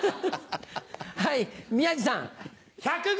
はい宮治さん。